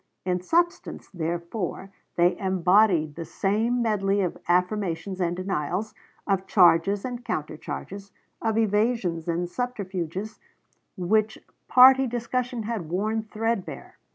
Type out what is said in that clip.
In substance, therefore, they embodied the same medley of affirmations and denials, of charges and countercharges, of evasions and subterfuges which party discussion had worn threadbare.